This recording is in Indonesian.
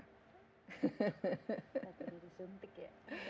takut disuntik ya